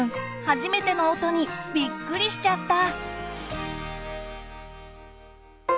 初めての音にびっくりしちゃった！